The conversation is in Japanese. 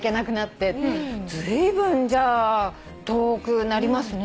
ずいぶんじゃあ遠くなりますね。